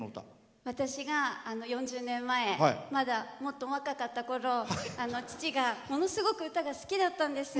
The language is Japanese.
私が４０年前まだもっと若かったころ父がものすごく歌が好きだったんです。